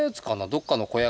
どっかの小屋